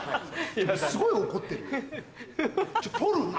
すごい怒ってるよ。